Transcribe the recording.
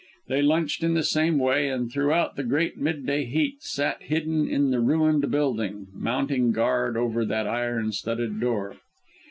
They lunched in the same way, and throughout the great midday heat sat hidden in the ruined building, mounting guard over that iron studded door.